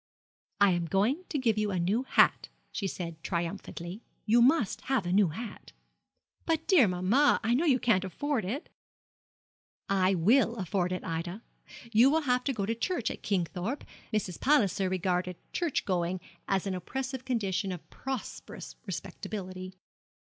'I am going to give you a new hat,' she said, triumphantly. 'You must have a new hat.' 'But, dear mamma, I know you can't afford it.' 'I will afford it, Ida. You will have to go to church at Kingthorpe' Mrs. Palliser regarded church going as an oppressive condition of prosperous respectability.